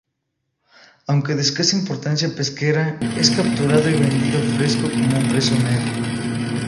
Aunque de escasa importancia pesquera es capturado y vendido fresco con un precio medio.